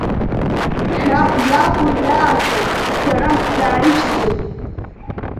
Шәаб иакәын иаашаз, шәара шәзааишьҭзеи?